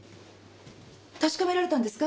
確かめられたんですか？